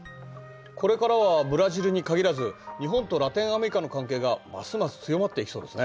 これからはブラジルに限らず日本とラテンアメリカの関係がますます強まっていきそうですね。